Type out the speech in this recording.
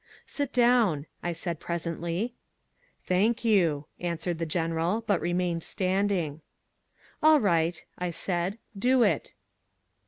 "Sit down," I said presently. "Thank you," answered the General, but remained standing. "All right," I said, "do it."